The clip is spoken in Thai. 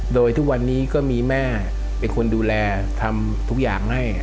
โดยทุกวันนี้ก็มีแม่เป็นคนดูแลทำทุกอย่างให้